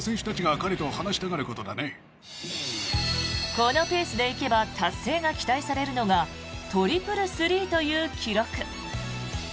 このペースで行けば達成が期待されるのがトリプルスリーという記録。